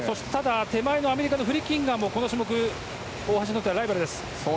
手前のアメリカのフリッキンガーもこの種目、大橋にとってはライバルです。